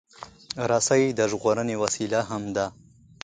رسۍ د ژغورنې وسیله هم ده.